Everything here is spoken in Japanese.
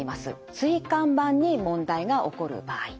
椎間板に問題が起こる場合。